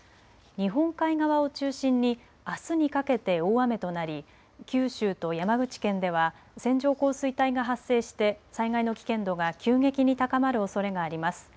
日本海側を中心にあすにかけて大雨となり九州と山口県では線状降水帯が発生して災害の危険度が急激に高まるおそれがあります。